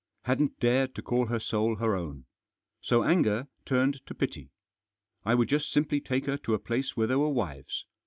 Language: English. Hadn't dared to call her soul her own. So anger turned to pity. I would just simply take her to a place where there were wives.